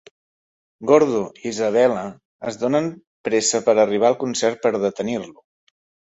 Gordo i Isabella es donen pressa per arribar al concert per detenir-lo.